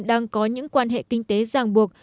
đang có những quan hệ kinh tế ràng buộc